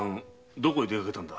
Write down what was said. どこへ出かけたんだ？